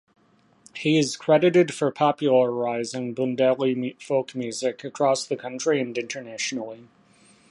He is credited for popularizing Bundeli folk music across the country and internationally.